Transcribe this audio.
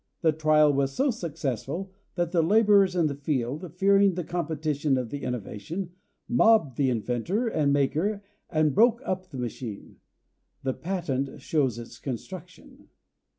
The trial was so successful that the laborers in the field, fearing the competition of the innovation, mobbed the inventor and maker and broke up the machine. The patent shows its construction.